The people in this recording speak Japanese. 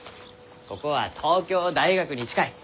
ここは東京大学に近い。